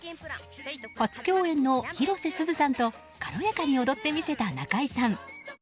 初共演の広瀬すずさんと軽やかに踊って見せた中居さん。